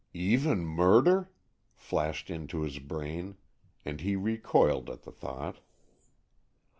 "Even murder?" flashed into his brain, and he recoiled at the thought.